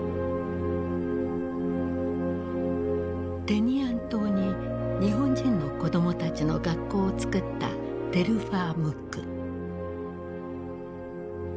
テニアン島に日本人の子供たちの学校を作ったテルファー・ムック。